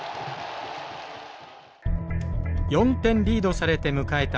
４点リードされて迎えた